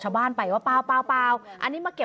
ชาวบ้านญาติโปรดแค้นไปดูภาพบรรยากาศขณะ